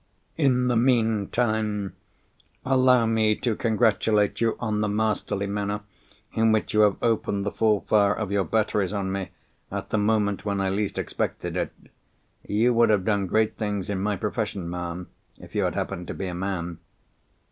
In the meantime, allow me to congratulate you on the masterly manner in which you have opened the full fire of your batteries on me at the moment when I least expected it. You would have done great things in my profession, ma'am, if you had happened to be a man."